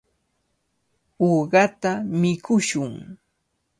Uqata mikushun.